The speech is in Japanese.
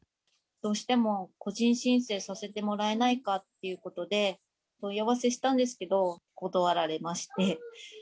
どうしても個人申請させてもらえないかっていうことで、問い合わせしたんですけど、断られまして。